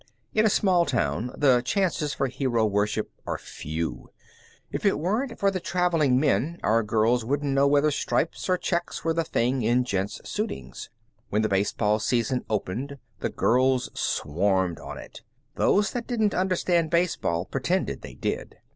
In a small town the chances for hero worship are few. If it weren't for the traveling men our girls wouldn't know whether stripes or checks were the thing in gents' suitings. When the baseball season opened the girls swarmed on it. Those that didn't understand baseball pretended they did.